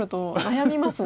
悩みます